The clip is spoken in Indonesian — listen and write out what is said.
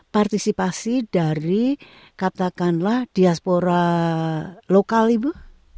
partisipasi dari katakanlah diaspora lokal ibu